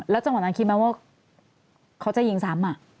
แล้วจังหวะนั้นคิดไหมว่าเขาจะยิงสาม